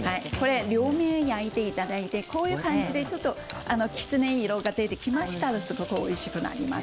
両面、焼いていただいてこういう感じできつね色が出てきましたらすごくおいしくなります。